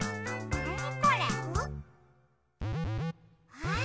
あっ！